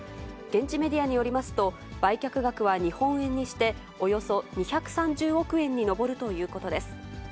現地メディアによりますと、売却額は日本円にしておよそ２３０億円に上るということです。